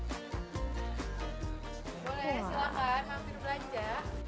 boleh silahkan hampir belanja